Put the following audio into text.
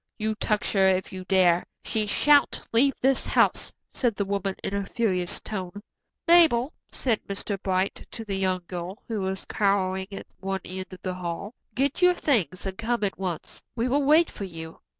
"You touch her if you dare. She shan't leave this house," said the woman in a furious tone. "Mabel," said Mr. Bright to the young girl, who was cowering at one end of the hall, "get your things and come at once. We will wait for you.